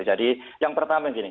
jadi yang pertama gini